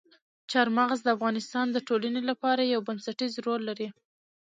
چار مغز د افغانستان د ټولنې لپاره یو بنسټيز رول لري.